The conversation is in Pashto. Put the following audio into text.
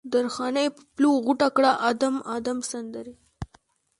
درخانۍ په پلو غوټه کړه ادم، ادم سندرې